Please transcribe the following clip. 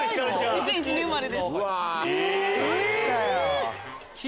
２００１年生まれです。え！